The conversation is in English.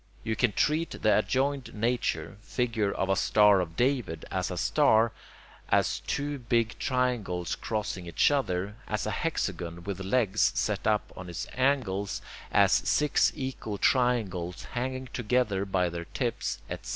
You can treat the adjoined figure [Figure of a 'Star of David'] as a star, as two big triangles crossing each other, as a hexagon with legs set up on its angles, as six equal triangles hanging together by their tips, etc.